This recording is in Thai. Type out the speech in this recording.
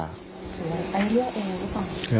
แล้วเลือกเองหรือเปล่า